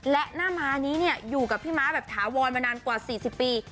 และหน้าม้านี้อยู่กับพี่ม้าแบบถาวรมานานกว่า๔๐ปี